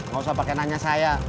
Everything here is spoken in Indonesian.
gak usah pakai nanya saya